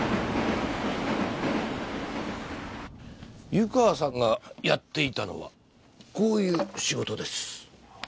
湯川さんがやっていたのはこういう仕事です。